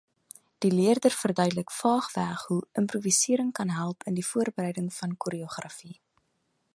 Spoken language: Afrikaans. Die leerder verduidelik vaagweg hoe improvisering kan help in die voorbereiding van choreografie.